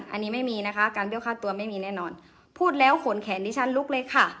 อันนี้ไม่มีนะคะการเบี้ยค่าตัวไม่มีแน่นอนพูดแล้วขนแขนดิฉันลุกเลยค่ะ